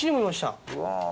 うわ。